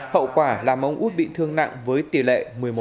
hậu quả làm ông út bị thương nặng với tỷ lệ một mươi một